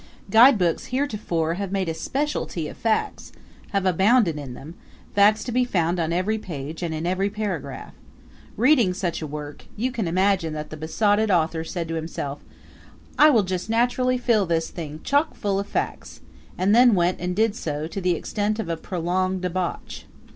Guidebooks heretofore have made a specialty of facts have abounded in them; facts to be found on every page and in every paragraph. Reading such a work, you imagine that the besotted author said to himself, "I will just naturally fill this thing chock full of facts" and then went and did so to the extent of a prolonged debauch.